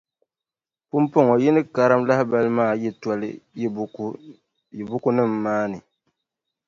Pumpɔŋɔ, yi ni karim lahibali maa yi toli yi bukunima maa ni.